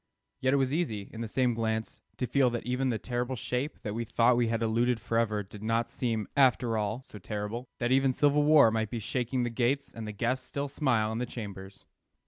Yet it was easy, in the same glance, to feel that even the terrible shape that we thought we had eluded forever did not seem, after all, so terrible; that even civil war might be shaking the gates and the guests still smile in the chambers.